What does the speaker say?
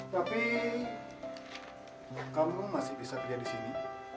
tapi kamu masih bisa tinggal disini